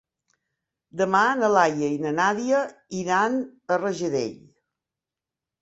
Demà na Laia i na Nàdia iran a Rajadell.